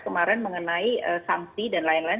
kemarin mengenai sanksi dan lain lain